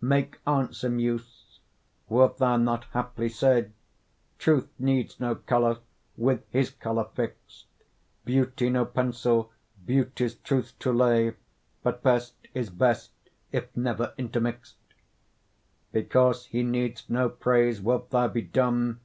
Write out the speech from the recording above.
Make answer Muse: wilt thou not haply say, 'Truth needs no colour, with his colour fix'd; Beauty no pencil, beauty's truth to lay; But best is best, if never intermix'd'? Because he needs no praise, wilt thou be dumb?